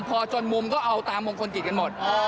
พอจนมุมก็เอาตามมงคลกิจกันหมด